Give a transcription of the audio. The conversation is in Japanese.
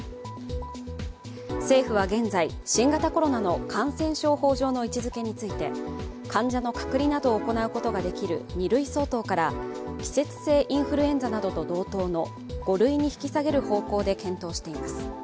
政府は現在、新型コロナの感染症法上の位置づけについて、患者の隔離などを行うことができる２類相当から季節性インフルエンザなどと同等の５類に引き下げる方向で検討しています。